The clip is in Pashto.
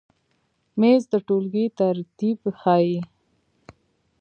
مېز د ټولګۍ ترتیب ښیي.